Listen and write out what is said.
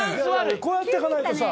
こうやっていかないとさ。